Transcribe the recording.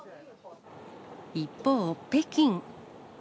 一方、北京。